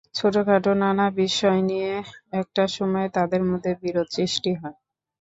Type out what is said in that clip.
ছোটখাটো নানা বিষয় নিয়ে একটা সময়ে তাঁদের মধ্যে বিরোধ সৃষ্টি হয়।